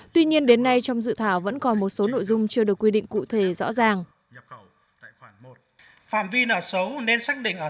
tuy nhiên đến nay trong dự thảo vẫn còn một số nội dung chưa được quy định cụ thể rõ ràng